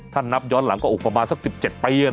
ถ้านับย้อนหลังก็ออกประมาณสัก๑๗ปีแล้วนะ